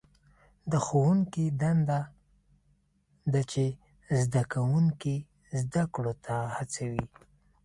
د ښوونکي دنده ده چې زده کوونکي زده کړو ته هڅوي.